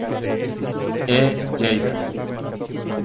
E. Lleida.